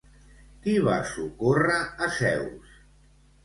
Qui va socórrer a Zeus?